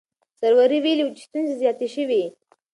سروري ویلي وو چې ستونزې زیاتې شوې.